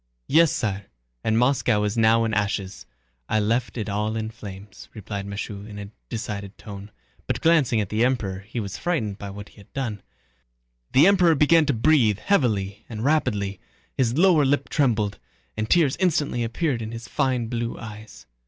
"Yes, sire, and Moscow is now in ashes. I left it all in flames," replied Michaud in a decided tone, but glancing at the Emperor he was frightened by what he had done. The Emperor began to breathe heavily and rapidly, his lower lip trembled, and tears instantly appeared in his fine blue eyes.